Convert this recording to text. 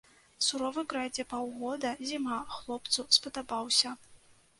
Суровы край, дзе паўгода зіма, хлопцу спадабаўся.